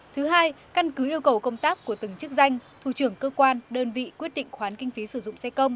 thứ hai căn cứ yêu cầu công tác của từng chức danh thủ trưởng cơ quan đơn vị quyết định khoán kinh phí sử dụng xe công